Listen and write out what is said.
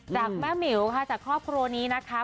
จากแม่หมิวค่ะจากครอบครัวนี้นะคะ